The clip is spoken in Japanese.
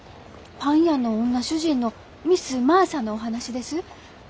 パン屋の女主人のミス・マーサのお話です。